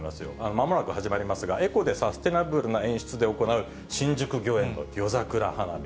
まもなく始まりますが、エコでサステナブルな演出で行う、新宿御苑の夜桜花見。